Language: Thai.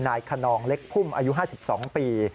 คนนองเล็กพุ่มอายุ๕๒ปี